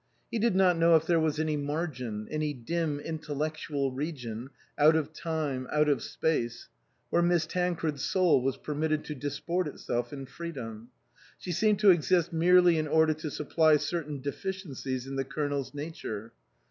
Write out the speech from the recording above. He did not know if there was any margin, any dim intellectual region, out of time, out of space, where Miss Tancred's soul was permitted to disport itself in freedom ; she seemed to exist merely in order to supply certain deficiencies in the Colonel's nature.